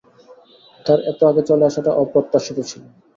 তার এত আগে চলে আসাটা অপ্রত্যাশিত ছিল।